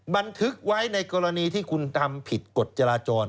บันทึกไว้ในกรณีที่คุณทำผิดกฎจราจร